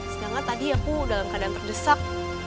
sedangkan tadi aku dalam keadaan terdesak